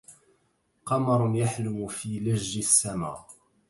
قمر يحلم في لج السما